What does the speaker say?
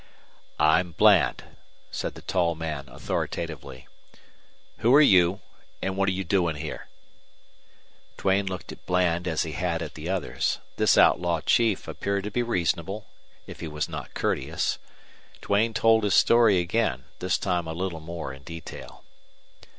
"I'm Bland," said the tall man, authoritatively. "Who're you and what're you doing here?" Duane looked at Bland as he had at the others. This outlaw chief appeared to be reasonable, if he was not courteous. Duane told his story again, this time a little more in detail.